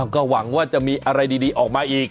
ก็หวังว่าจะมีอะไรดีออกมาอีก